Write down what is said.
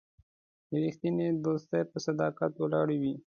رښتینی دوستي په صداقت ولاړه وي.